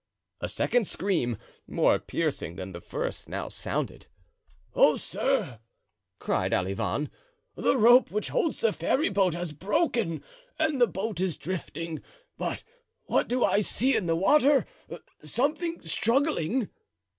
A second scream, more piercing than the first, now sounded. "Oh, sir!" cried Olivain, "the rope which holds the ferryboat has broken and the boat is drifting. But what do I see in the water—something struggling?"